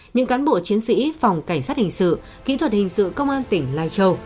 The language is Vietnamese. những cán bộ chiến sĩ phòng cảnh sát hình sự kỹ thuật hình sự công an tỉnh lai châu